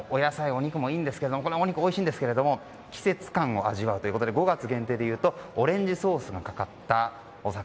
お肉もいいんですけれどお肉おいしんですが季節感を味わうということで５月限定でいうとオレンジソースがかかったお魚。